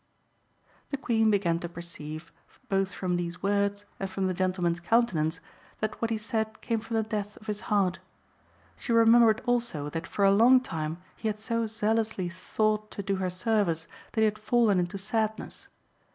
The Queen began to perceive, both from these words and from the gentleman's countenance, that what he said came from the depth of his heart. She remembered also that for a long time he had so zealously sought to do her service that he had fallen into sadness.